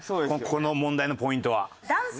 この問題のポイントは。